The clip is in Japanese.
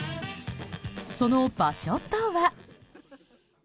その場所とは。